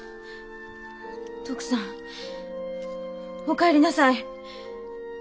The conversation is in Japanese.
徳さんお帰りなさい。